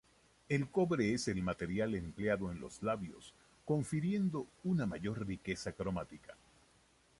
El cobre es el material empleado en los labios, confiriendo una mayor riqueza cromática.